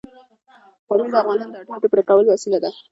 پامیر د افغانانو د اړتیاوو د پوره کولو وسیله ده.